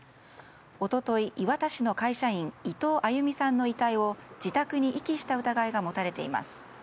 一昨日、磐田市の会社員伊藤亜佑美さんの遺体を自宅に遺棄した疑いが持たれています。